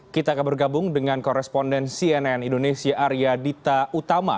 kita akan bergabung dengan koresponden cnn indonesia arya dita utama